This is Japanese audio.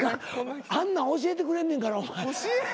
あんなん教えてくれんねんから。